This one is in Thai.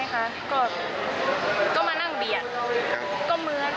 แต่พอมาใกล้ถึงหาดใหญ่คือมาเต็มมือแล้ว